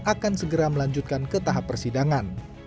akan segera melanjutkan kejaksaan